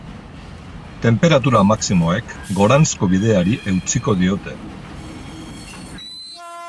Tenperatura maximoek goranzko bideari eutsiko diote.